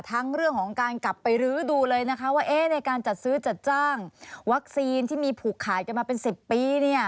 ทั้งเรื่องของการกลับไปรื้อดูเลยนะคะว่าในการจัดซื้อจัดจ้างวัคซีนที่มีผูกขาดกันมาเป็น๑๐ปี